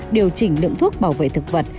điều chỉnh lượng thuốc bảo vệ thực vật